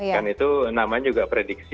kan itu namanya juga prediksi